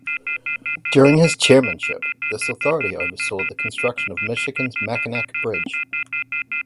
During his chairmanship, this authority oversaw the construction of Michigan's Mackinac Bridge.